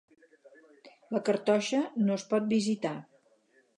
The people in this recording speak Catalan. La cartoixa no es pot visitar.